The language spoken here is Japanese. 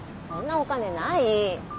そんなお金ない。